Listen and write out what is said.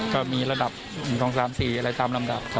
ก็มีระดับ๑๒๓๔อะไร๓ลำดับครับ